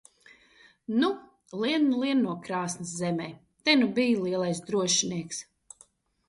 Nu, lien nu lien no krāsns zemē! Te nu bij lielais drošinieks!